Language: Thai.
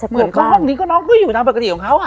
เหมือนเข้าห้องนี้ก็น้องก็อยู่ตามปกติของเขา